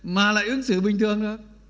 mà lại ứng xử bình thường nữa